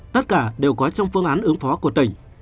tất cả đều có trong phương án ứng phó của tỉnh